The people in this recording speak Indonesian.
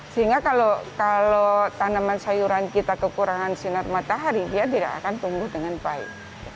sehingga kalau tanaman sayuran kita kekurangan sinar matahari dia tidak akan tumbuh dengan baik